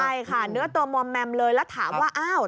ใช่ค่ะเนื้อตัวมอมแมมเลยแล้วถามว่าอ้าว